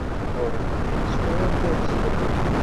S tɣuṛi i nezmer ad neddu ar zdat.